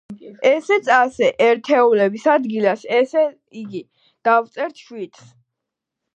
ესეც ასე. ერთეულების ადგილას, ესე იგი, დავწერთ შვიდს.